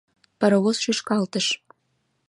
Паровоз шӱшкалтыш.